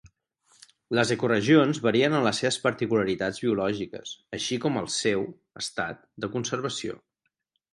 Les ecoregions varien en les seves particularitats biològiques, així com al seu estat de conservació.